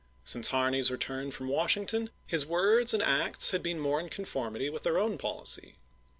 Since Harney's re turn from Washington his words and acts had been more in conformity with their own policy.